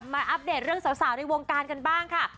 อัปเดตเรื่องสาวในวงการกันบ้างค่ะ